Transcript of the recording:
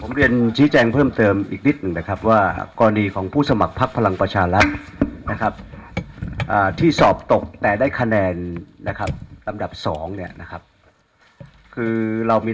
ผมเรียนชี้แจงเพิ่มเติมอีกนิดหนึ่งนะครับว่ากรณีของผู้สมัครพักพลังประชารัฐนะครับที่สอบตกแต่ได้คะแนนนะครับลำดับสองเนี่ยนะครับคือเรามี